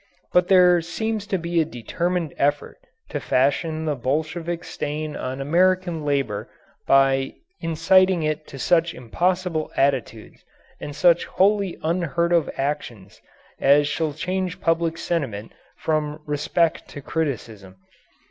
But there seems to be a determined effort to fasten the Bolshevik stain on American Labour by inciting it to such impossible attitudes and such wholly unheard of actions as shall change public sentiment from respect to criticism.